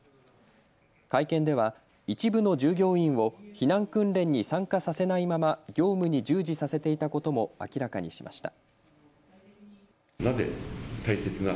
会見では一部の従業員を避難訓練に参加させないまま業務に従事させていたことも明らかにしました。